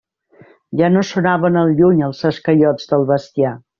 Ja no sonaven al lluny els esquellots del bestiar.